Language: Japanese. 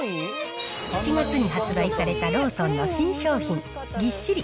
７月に発売されたローソンの新商品、ぎっしり！